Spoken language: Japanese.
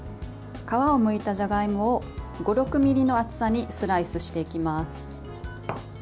皮をむいたじゃがいもを５６ｍｍの厚さにスライスしていきます。